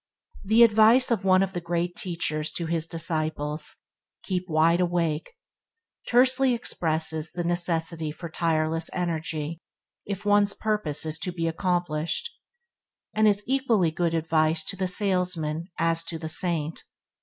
The advice of one of the Great Teachers to his disciples – "Keep wide awake", tersely expresses the necessity for tireless energy if one's purpose is to be accomplished, and is equally good advice to the salesman as to the saint.